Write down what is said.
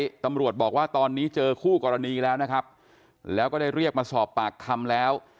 ตอนนี้ตำรวจบอกว่าตอนนี้เจอคู่กรณีแล้วนะครับแล้วก็ได้เรียกมาสอบปากคำแล้ว